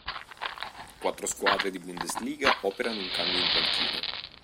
Quattro squadre di Bundesliga operano un cambio in panchina.